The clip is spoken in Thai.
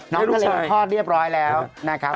น้องน้องทะเลทอดเรียบร้อยแล้วนะครับ